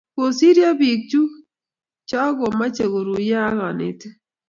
Kosiryo biik chu cho ko kimoche koruyo ak konetik.